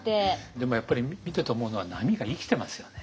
でもやっぱり見てて思うのは波が生きてますよね。